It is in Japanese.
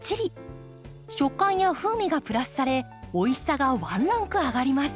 食感や風味がプラスされおいしさがワンランク上がります。